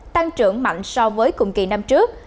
tăng trưởng mạnh so với cùng kỳ năm trước